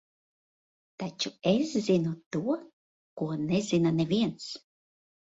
Taču es zinu to, ko nezina neviens.